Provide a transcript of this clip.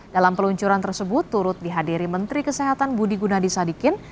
dalam peluncuran tersebut turut dihadiri menteri kesehatan budi gunadisadikin